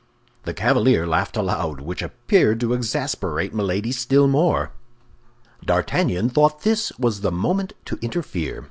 The cavalier laughed aloud, which appeared to exasperate Milady still more. D'Artagnan thought this was the moment to interfere.